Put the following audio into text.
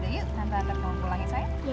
yaudah yuk tante anter mau pulangin saya